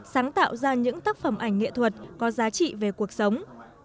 sáng tạo ra những tác phẩm ảnh nghệ thuật có giá trị về cuộc sống